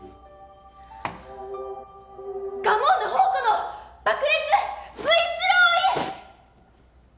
『ガモーヌほう子の爆裂Ｖスローイン！』。